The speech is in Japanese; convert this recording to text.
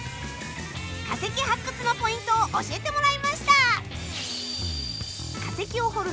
化石発掘のポイントを教えてもらいました！